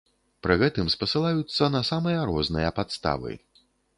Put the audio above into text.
Пры гэтым спасылаюцца на самыя розныя падставы.